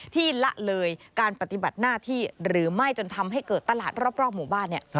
ละเลยการปฏิบัติหน้าที่หรือไม่จนทำให้เกิดตลาดรอบหมู่บ้าน